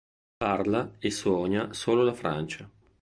Parla e sogna solo la Francia.